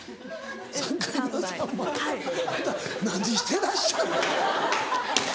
あんた何してらっしゃる。